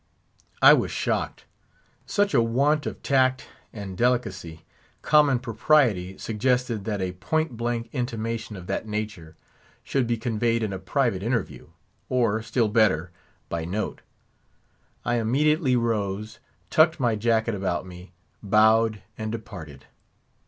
I was shocked. Such a want of tact and delicacy! Common propriety suggested that a point blank intimation of that nature should be conveyed in a private interview; or, still better, by note. I immediately rose, tucked my jacket about me, bowed, and departed.